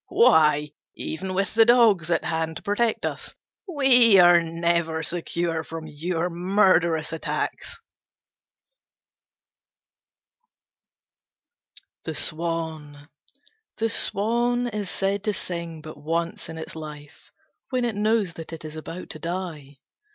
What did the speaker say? Why, even with the dogs at hand to protect us, we are never secure from your murderous attacks!" THE SWAN The Swan is said to sing but once in its life when it knows that it is about to die.